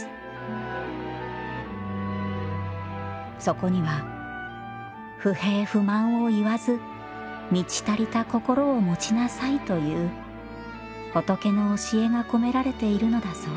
そこには「不平不満を言わず満ち足りた心を持ちなさい」という仏の教えが込められているのだそう。